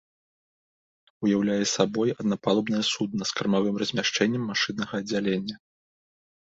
Уяўляе сабой аднапалубнае судна з кармавым размяшчэннем машыннага аддзялення.